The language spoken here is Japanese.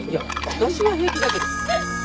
私は平気だけど・